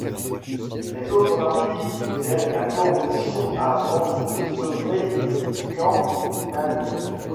Les autres partis quittèrent la coalition avant le Sommet de Camp David.